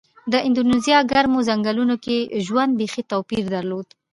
د اندونیزیا ګرمو ځنګلونو کې ژوند بېخي توپیر درلود.